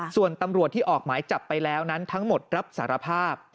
ส่วนตำรวจที่ออกหมายจับไปแล้วนั้นทั้งหมดรับสารภาพ